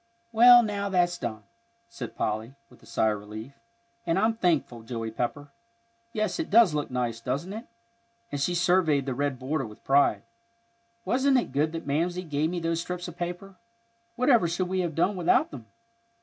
"Well, now that's done," said Polly, with a sigh of relief; "and I'm thankful, Joey Pepper. Yes, it does look nice, doesn't it?" and she surveyed the red border with pride. "Wasn't it good that Mamsie gave me those strips of paper? Whatever should we have done without them!